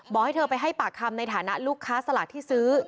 ให้เธอไปให้ปากคำในฐานะลูกค้าสลากที่ซื้อ